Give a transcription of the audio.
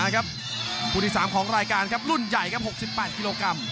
คู่ที่๓ของรายการครับรุ่นใหญ่ครับ๖๘กิโลกรัม